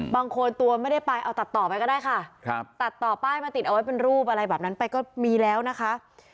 บางคนตัวไม่ได้ไปเอาตัดต่อไปก็ได้ค่ะตัดต่อป้ายมาติดเอาไว้เป็นรูปอะไรแบบนั้นไปก็มีแล้วนะคะ